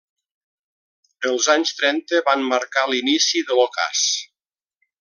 Els anys trenta van marcar l'inici de l'ocàs.